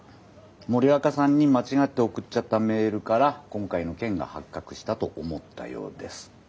森若さんに間違って送っちゃったメールから今回の件が発覚したと思ったようです。